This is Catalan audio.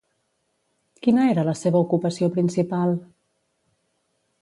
Quina era la seva ocupació principal?